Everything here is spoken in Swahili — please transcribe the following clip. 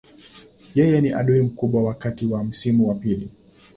Yeye ni adui mkubwa wakati wa msimu wa pili.